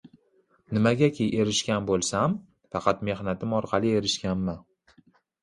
Nimagaki erishgan bo‘lsam, faqat mehnatim orqali erishganman.